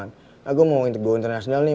ah gue mau untuk go international nih